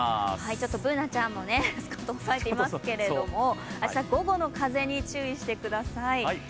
ちょっとＢｏｏｎａちゃんもスカートを押さえていますけれども、午後の風にお気をつけください。